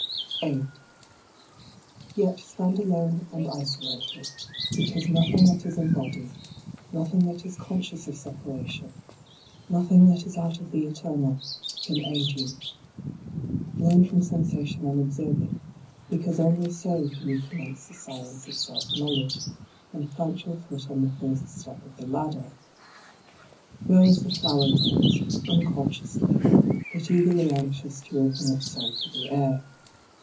8. Yet stand alone and isolated, because nothing that is embodied, nothing that is con scious of separation, nothing that is out of the eternal, can aid you. Learn from sensation and observe it, because only so can you commence the science of self knowledge, and plant your foot on the first step of the ladder. Grow as the flower grows, unconsciously, but eagerly anxious to open its soul to the air.